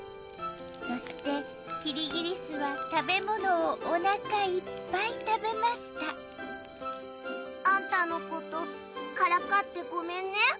そしてキリギリスは食べ物をお腹いっぱい食べましたアンタのことからかってごめんね。